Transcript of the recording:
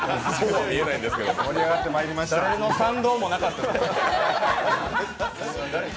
誰の賛同もなかったぞ。